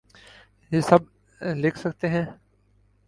یہ سب لکھ سکتے ہیں؟